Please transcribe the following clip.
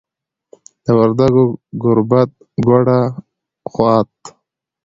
د وردګو ګوربت، ګوډه، خوات